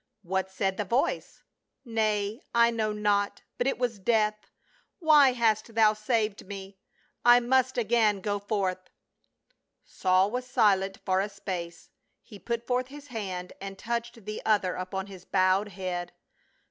" What said the voice ?"" Nay, I know not ; but it was death. Why hast thou saved me? I must again go forth." Saul was silent for a space ; he put forth his hand and touched the other upon his bowed head.